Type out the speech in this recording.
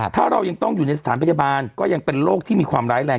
ถ้าเรายังต้องอยู่ในสถานพยาบาลก็ยังเป็นโรคที่มีความร้ายแรง